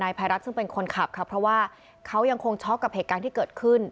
ภัยรัฐซึ่งเป็นคนขับค่ะเพราะว่าเขายังคงช็อกกับเหตุการณ์ที่เกิดขึ้น